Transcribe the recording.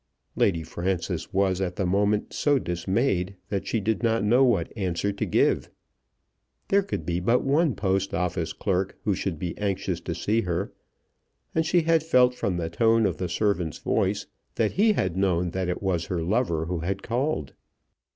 Lady Frances was at the moment so dismayed that she did not know what answer to give. There could be but one Post Office clerk who should be anxious to see her, and she had felt from the tone of the servant's voice that he had known that it was her lover who had called.